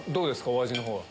お味の方は。